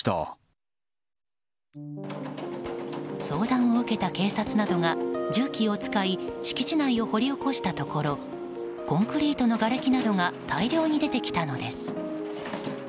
相談を受けた警察などが重機を使い敷地内を掘り起こしたところコンクリートなどのがれきが大量に出てきたのです。